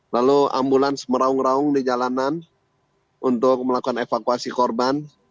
lalu ambulans meraung raung di jalanan untuk melakukan evakuasi korban